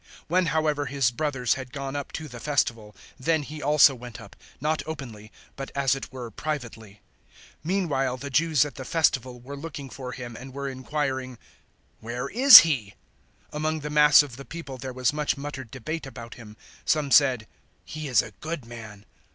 007:010 When however His brothers had gone up to the Festival, then He also went up, not openly, but as it were privately. 007:011 Meanwhile the Jews at the Festival were looking for Him and were inquiring, "Where is he?" 007:012 Among the mass of the people there was much muttered debate about Him. Some said, "He is a good man."